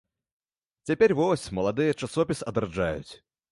Цяпер вось маладыя часопіс адраджаюць.